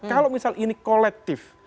kalau misalnya ini kolektif